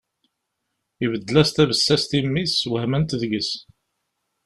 Ibeddel-as tabessast i mmi-s, wehment deg-s.